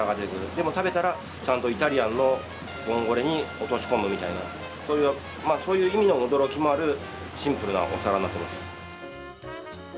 でも食べたらちゃんとイタリアンのボンゴレに落とし込むみたいなそういう意味の驚きもあるシンプルなお皿になってます。